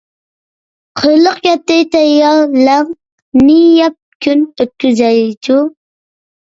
قىرىلىق يەتتى، تەييار «لەڭ»نى يەپ كۈن ئۆتكۈزەيچۇ!